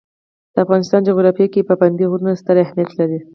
د افغانستان جغرافیه کې پابندی غرونه ستر اهمیت لري.